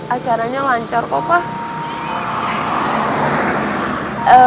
acaranya lancar kok pa